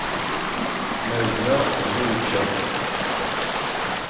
Ma yella ula yečča.